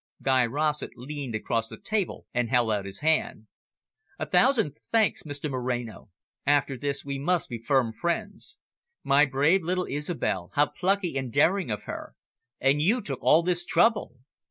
Guy Rossett leaned across the table and held out his hand. "A thousand thanks, Mr Moreno. After this, we must be firm friends. My brave little Isobel, how plucky and daring of her. And you took all this trouble!"